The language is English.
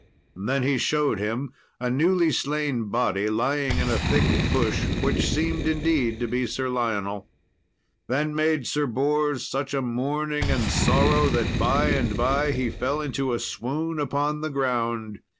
Then he showed him a newly slain body lying in a thick bush, which seemed indeed to be Sir Lionel. Then made Sir Bors such mourning and sorrow that by and by he fell into a swoon upon the ground.